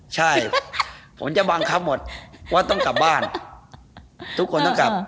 ใช่ผมจะบังคับหมดว่าต้องกลับบ้านทุกคนต้องกลับ